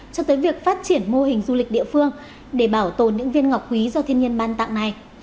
cho tới việc phát triển mô hình du lịch địa phương để bảo tồn những viên ngọc quý do thiên nhiên ban tặng này